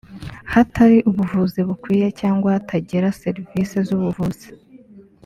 hatari ubuvuzi bukwiye cyangwa hatagera serivisi z’ubuvuzi